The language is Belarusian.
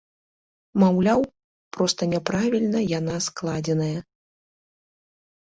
Маўляў, проста няправільна яна складзеная.